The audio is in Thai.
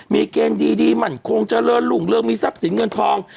มีเกณฑ์ดีดีมันคงจะเริ่มลุงเริ่มมีทรัพย์สินเงินพอง